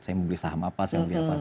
saya mau beli saham apa saya beli apa